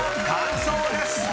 完奏です］